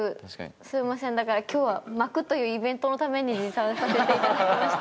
すいませんだから今日は巻くというイベントのために持参させていただきました。